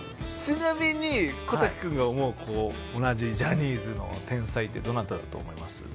ちなみに小瀧君が思う同じジャニーズの天才ってどなただと思います？